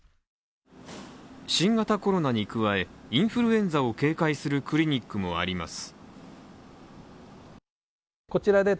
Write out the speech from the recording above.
新型コロナに加えインフルエンザを警戒するクリニックもあります。